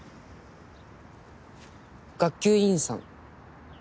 学級委員さん？